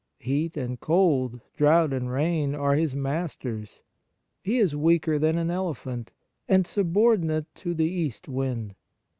Heat and cold, drought and rain, are his masters. He is 2 1 8 Kindness weaker than an elephant, and subordinate to the east wind.